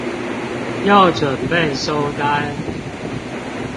要準備收單